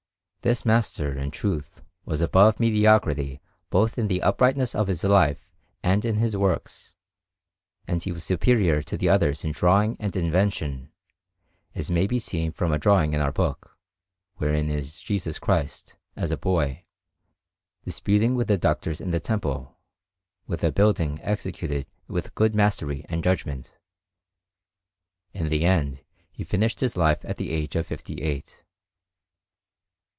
This master, in truth, was above mediocrity both in the uprightness of his life and in his works, and he was superior to the others in drawing and invention, as may be seen from a drawing in our book, wherein is Jesus Christ, as a boy, disputing with the Doctors in the Temple, with a building executed with good mastery and judgment. In the end, he finished his life at the age of fifty eight.